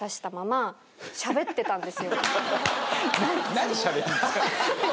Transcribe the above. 何しゃべるんですか。